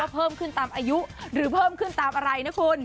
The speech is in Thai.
เพิ่มขึ้นตามอายุหรือเพิ่มขึ้นตามอะไรนะคุณ